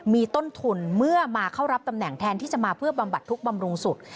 มีต้นทุนเมื่อมาเข้ารับตำแหน่งแทนที่จะมาเพื่อบำบัดทุกข์บำรุงสุด